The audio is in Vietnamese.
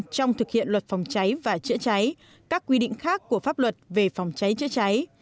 trong thực hiện luật phòng cháy và chữa cháy các quy định khác của pháp luật về phòng cháy chữa cháy